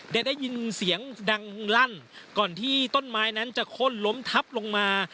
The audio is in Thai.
ได้ยินเสียงดังลั่นก่อนที่ต้นไม้นั้นจะข้นล้มทับลงมา